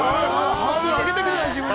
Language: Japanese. ◆ハードル上げていくね、自分で。